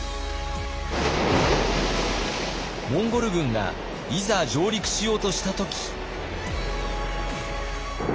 モンゴル軍がいざ上陸しようとした時。